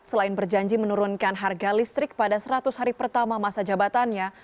selain berjanji menurunkan harga listrik pada seratus hari pertama masa jabatannya